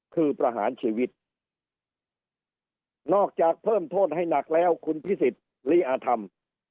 คือประหารชีวิตนอกจากเพิ่มโทษให้หนักแล้วคุณพิสิทธิ์ลีอาธรรม